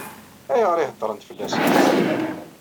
Ayɣer i heddṛent fell-asent?